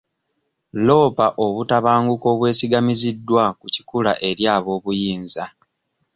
Loopa obutabanguko obwesigamiziddwa ku kikula eri ab'obuyinza.